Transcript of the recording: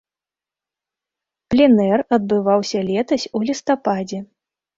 Пленэр адбываўся летась у лістападзе.